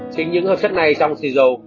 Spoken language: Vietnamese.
chính những hợp chất này trong xì dầu